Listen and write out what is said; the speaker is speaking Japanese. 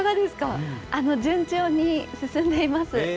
順調に進んでいます。